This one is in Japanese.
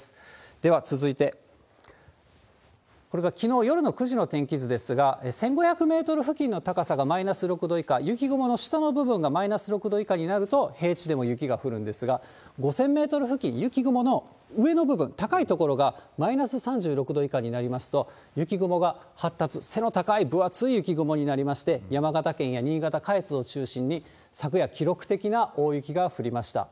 では続いて、これがきのう夜の９時の天気図ですが、１５００メートル付近の高さがマイナス６度以下、雪雲の下の部分がマイナス６度以下になると、平地でも雪が降るんですが、５０００メートル付近、雪雲の上の部分、高い所がマイナス３６度以下になりますと、雪雲が発達、背の高い分厚い雪雲になりまして、山形県や新潟・下越を中心に、昨夜、記録的な大雪が降りました。